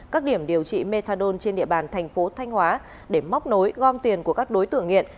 các điểm điều trị methadone trên địa bàn thành phố thanh hóa để móc nối gom tiền của các đối tượng nghiện